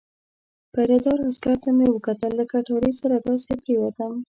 پیره دار عسکر ته مې وکتل، له کټارې سره داسې پرېوتم.